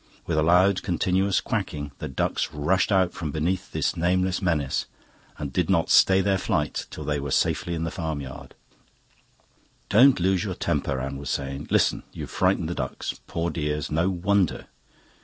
With a loud, continuous quacking the ducks rushed out from beneath this nameless menace, and did not stay their flight till they were safely in the farmyard. "Don't lose your temper," Anne was saying. "Listen! You've frightened the ducks. Poor dears! no wonder."